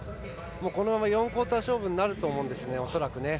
このまま４クオーター勝負になると思うんですね、恐らく。